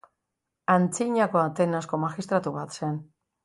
Antzinako Atenasko magistratu bat zen.